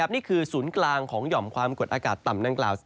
นี่คือศูนย์กลางของหย่อมความกดอากาศต่ำดังกล่าว